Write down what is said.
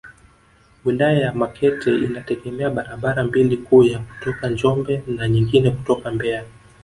Wilaya ya Makete inategemea barabara mbili kuu ya kutoka Njombe na nyingine kutoka Mbeya